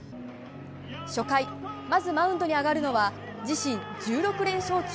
初回、まずマウンドに上がるのは自身１６連勝中